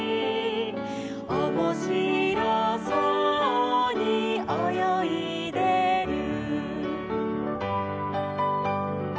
「おもしろそうにおよいでる」